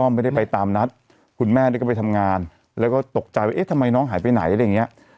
ไม่ได้ไปตามนัดคุณแม่เนี่ยก็ไปทำงานแล้วก็ตกใจว่าเอ๊ะทำไมน้องหายไปไหนอะไรอย่างเงี้ย